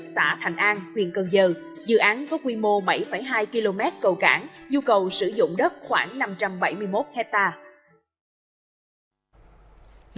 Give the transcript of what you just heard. xã thành an huyện cần giờ dự án có quy mô bảy hai km cầu cảng nhu cầu sử dụng đất khoảng năm trăm bảy mươi một hectare